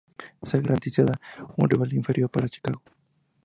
Esto garantizaría un rival inferior para Chicago.